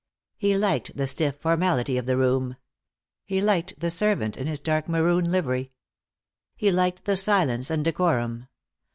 He liked the stiff formality of the room. He liked the servant in his dark maroon livery. He liked the silence and decorum.